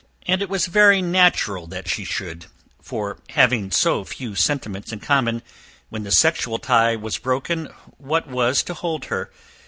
And it was very natural that she should, for having so few sentiments in common, when the sexual tie was broken, what was to hold her?